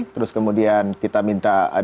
terus kemudian kita minta